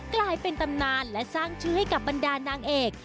กลายเป็นตำนานและสร้างชื่อให้กับบรรดานางเอก